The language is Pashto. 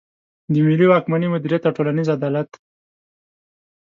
د ملي واکمني مدیریت او ټولنیز عدالت.